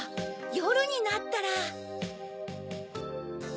よるになったら。